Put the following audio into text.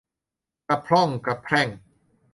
กะพร่องกะแพร่ง